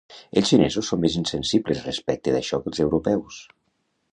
Els xinesos són més insensibles respecte d’això que els europeus.